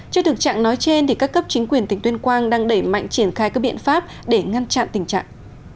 trước thực trạng nói trên các cấp chính quyền tỉnh tuyên quang đang đẩy mạnh triển khai các biện pháp để ngăn chặn tình trạng